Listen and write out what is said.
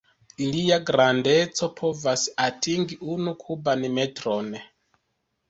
Ilia grandeco povas atingi unu kuban metron.